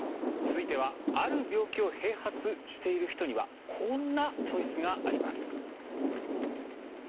続いてはある病気を併発している人にはこんなチョイスがあります。